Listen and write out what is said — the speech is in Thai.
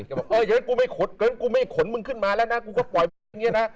เขาก็บอกกูไม่ขนนี่มึงขึ้นมาแล้วนะกูก็ปล่อยบ้านก็อย่างงี้ฮะ